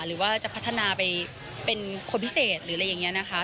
หรือว่าจะพัฒนาไปเป็นคนพิเศษหรืออะไรอย่างนี้นะคะ